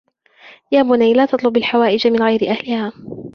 يَا بُنَيَّ لَا تَطْلُبْ الْحَوَائِجَ مِنْ غَيْرِ أَهْلِهَا